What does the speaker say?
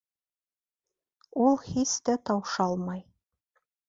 Ул һис тә таушалмай